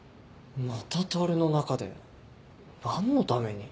また樽の中で何のために？